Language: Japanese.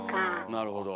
なるほど。